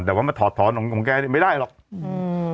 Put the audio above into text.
แต่ว่าสนุกของแกว่าไม่ได้หรอก